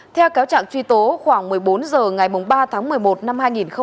theo cáo trạng truy tố khoảng một mươi bốn h ngày ba tháng một mươi một năm hai nghìn một mươi bảy